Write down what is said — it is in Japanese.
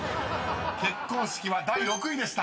［「結婚式」は第６位でした］